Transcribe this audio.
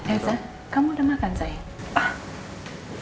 eza kamu udah makan sayang